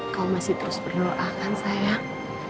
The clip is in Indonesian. kau masih terus berdoa kan sayang